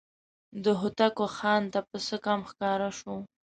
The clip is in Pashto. د هوتکو خان ته پسه کم ښکاره شو.